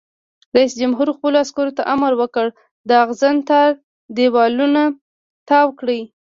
رئیس جمهور خپلو عسکرو ته امر وکړ؛ د اغزن تار دیوالونه تاو کړئ!